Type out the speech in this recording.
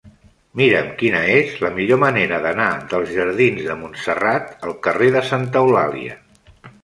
Mira'm quina és la millor manera d'anar dels jardins de Montserrat al carrer de Santa Eulàlia.